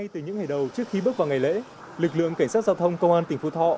trước khi bước vào ngày lễ lực lượng cảnh sát giao thông công an tỉnh phú thọ